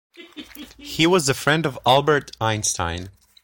He was a friend of Albert Einstein.